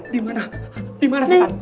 dimana dimana setan